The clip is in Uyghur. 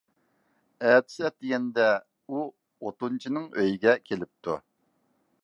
ئەتىسى ئەتىگەندە، ئۇ ئوتۇنچىنىڭ ئۆيىگە كېلىپتۇ.